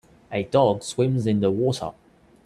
A dog swims in the water